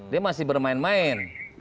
dia masih bermain main